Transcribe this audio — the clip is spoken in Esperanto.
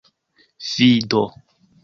Fi do!